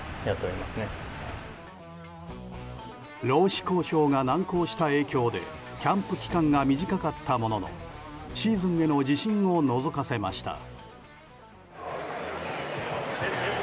労使交渉が難航した影響でキャンプ期間が短かったもののシーズンへの自信をのぞかせました。